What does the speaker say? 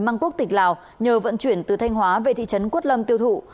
mang quốc tịch lào nhờ vận chuyển từ thanh hóa về thị trấn quất lâm tiêu thụ